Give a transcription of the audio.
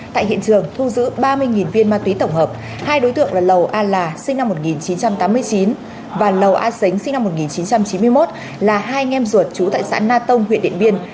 tại hiện trường thu giữ ba mươi viên ma túy tổng hợp hai đối tượng là lầu a là sinh năm một nghìn chín trăm tám mươi chín và lầu a sánh sinh năm một nghìn chín trăm chín mươi một là hai anh em ruột trú tại xã na tông huyện điện biên